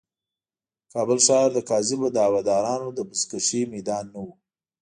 کابل ښار د کاذبو دعوه دارانو د بزکشې میدان نه و.